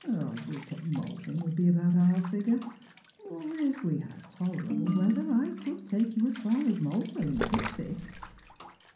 A week at Malvern would be about our figure : or if we had tolerable weather, I could take you as far as Malta in the Pixy."